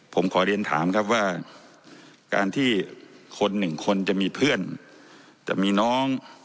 ผมขอเรียนถามครับว่าการที่คนหนึ่งคนจะมีเพื่อนจะมีน้อง